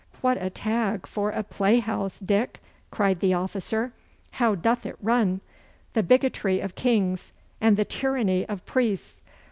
'What a tag for a playhouse, Dick,' cried the officer. 'How doth it run? "The bigotry of kings and the tyranny of priests."